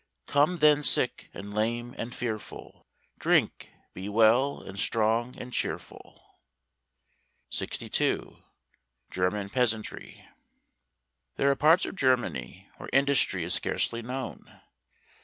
Come then sick, and lame, and fearful, Drink; be well, and strong, and cheerful. 62. German Peasantry. There are parts of Germany where industry is scarcely known.